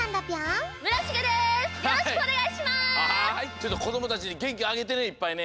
ちょっとこどもたちにげんきあげてねいっぱいね。